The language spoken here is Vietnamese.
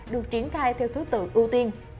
được triển khai theo thứ tự ưu tiên